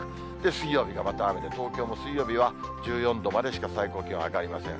水曜日がまた雨で、東京も水曜日は１４度までしか最高気温、上がりません。